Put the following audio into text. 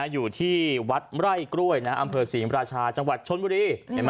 อยู่ที่วัดไร่กล้วยอำเภอศรีมราชาจังหวัดชนบุรี